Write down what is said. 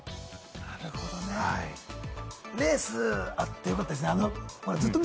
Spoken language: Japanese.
レース、あってよかったですね。